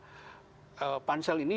dan proses perdebatan diantara pansel ini